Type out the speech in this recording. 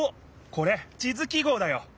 これ地図記号だよ。